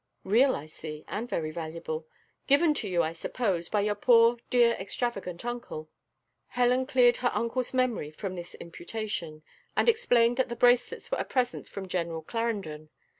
Real, I see, and very valuable! given to you, I suppose, by your poor dear extravagant uncle?" Helen cleared her uncle's memory from this imputation, and explained that the bracelets were a present from General Clarendon.